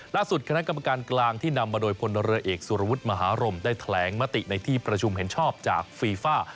คณะกรรมการกลางที่นำมาโดยพลเรือเอกสุรวุฒิมหารมได้แถลงมติในที่ประชุมเห็นชอบจากฟีฟ่า